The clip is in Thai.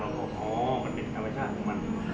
บอกอ๋อมันเป็นธรรมชาติของมัน